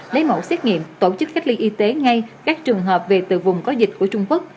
lấy mẫu xét nghiệm tổ chức cách ly y tế ngay các trường hợp về từ vùng có dịch của trung quốc